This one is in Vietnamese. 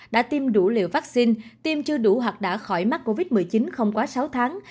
đã tiêm đủ liều vaccine tiêm chưa đủ hoặc đã khỏi mắc covid một mươi chín không quá sáu tháng